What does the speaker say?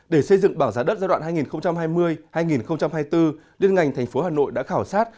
để xây dựng bảng giá đất giai đoạn hai nghìn hai mươi hai nghìn hai mươi bốn liên ngành tp hà nội đã khảo sát